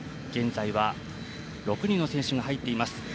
現在は６人の選手が入っています